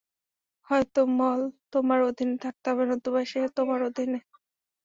হয়তো মল তোমার অধীনে থাকতে হবে, নতুবা সে তোমার অধীনে।